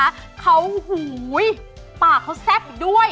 แล้วก็เขาหุ้ยปากเขาแซ่บด้วย